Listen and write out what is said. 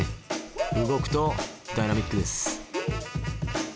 動くとダイナミックです。